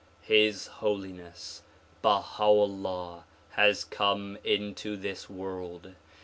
His Holiness Baha 'Ullah has come into this world.